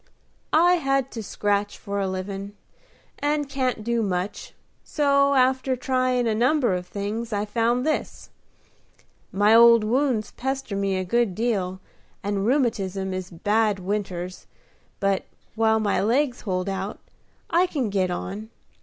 "I had to scratch for a livin', and can't do much: so, after tryin' a number of things, I found this. My old wounds pester me a good deal, and rheumatism is bad winters; but, while my legs hold out, I can git on.